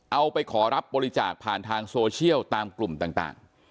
เอาไปขอรับบริจาคผ่านทางโซเชียลตามกลุ่มต่าง